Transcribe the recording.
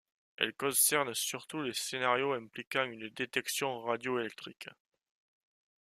Elle concerne surtout les scénarios impliquant une détection radioélectrique.